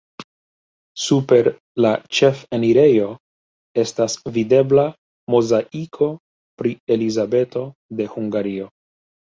Super la ĉefenirejo estas videbla mozaiko pri Elizabeto de Hungario.